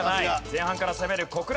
前半から攻める。